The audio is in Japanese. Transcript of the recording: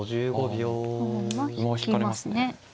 馬引かれますね。